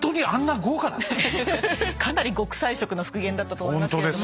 かなり極彩色の復元だったと思いますけども。